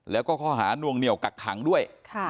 แล้วก็ข้อหานวงเหนียวกักขังด้วย